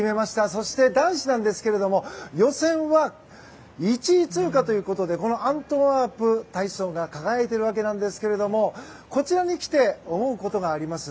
そして、男子なんですが予選は１位通過ということでこのアントワープ、体操が輝いているわけなんですがこちらに来て思うことがあります。